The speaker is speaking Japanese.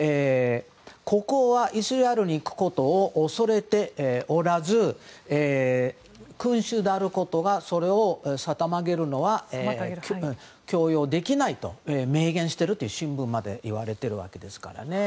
国王はイスラエルに行くことを恐れておらず君主であることがそれを妨げるのは許容できないと明言していると新聞でまでいわれてるわけですからね。